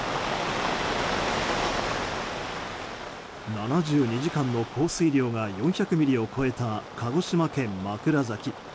７２時間の降水量が４００ミリを超えた鹿児島県枕崎。